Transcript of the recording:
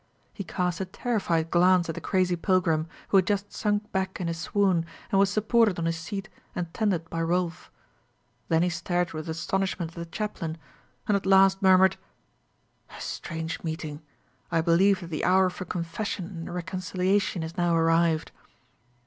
He cast a terrified glance at the crazy pilgrim, who had just sunk back in a swoon, and was supported on his seat and tended by Rolf; then he stared with astonishment at the chaplain, and at last murmured, "A strange meeting! I believe that the hour for confession and reconciliation is now arrived."